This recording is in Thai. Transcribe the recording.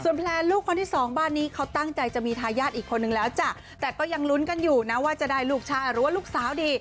แพลนลูกคนที่สองบ้านนี้เขาตั้งใจจะมีทายาทอีกคนนึงแล้วจ้ะแต่ก็ยังลุ้นกันอยู่นะว่าจะได้ลูกชายหรือว่าลูกสาวดี